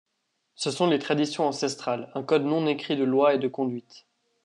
Ce sont les traditions ancestrales, un code non écrit de lois et de conduite.